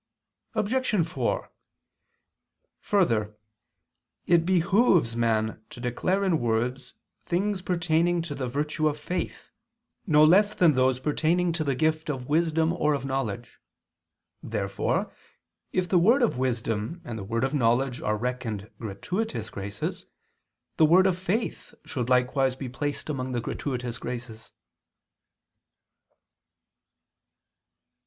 Obj. 4: Further, it behooves man to declare in words things pertaining to the virtue of faith, no less than those pertaining to the gift of wisdom or of knowledge. Therefore if the word of wisdom and the word of knowledge are reckoned gratuitous graces, the word of faith should likewise be placed among the gratuitous graces.